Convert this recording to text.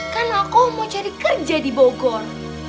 kan aku mau cari kerja di bogor